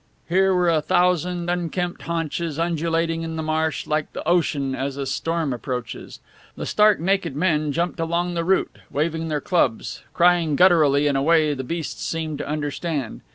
Here were a thousand unkempt haunches undulating in the marsh like the ocean as a storm approaches. The stark naked men jumped along the route, waving their clubs, crying gutturally in a way the beasts seemed to understand.